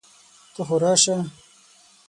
ته خو راسه!